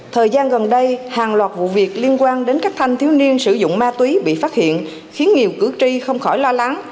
thời gian gần đây hàng loạt vụ việc liên quan đến các thanh thiếu niên sử dụng ma túy bị phát hiện khiến nhiều cử tri không khỏi lo lắng